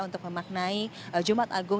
untuk memaknai jumat agung